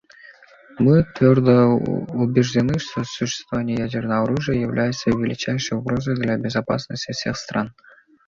Мы твердо убеждены, что существование ядерного оружия является величайшей угрозой для безопасности всех стран.